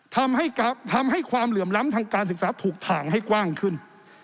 ทำให้ความเหลื่อมล้ำทางการศึกษาถูกถ่างให้กว้างขึ้น